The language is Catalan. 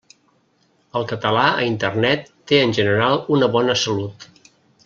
El català a Internet té en general una bona salut.